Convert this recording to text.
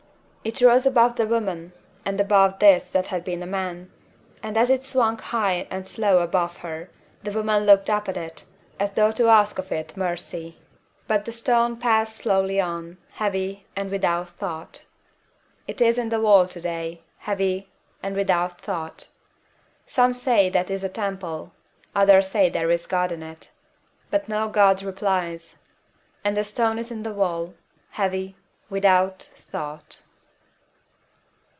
It rose above the woman and above this that had been a man, and as it swung high and slow above her the woman looked up at it, as though to ask of it mercy. But the stone passed slowly on, heavy and without thought. It is in the wall to day, heavy and without thought. Some say that is a temple, others that there is a God in it. But no God replies. And the stone is in the wall, heavy, without thought."